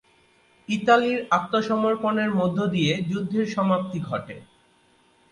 ইতালির আত্মসমর্পণের মধ্য দিয়ে যুদ্ধের সমাপ্তি ঘটে।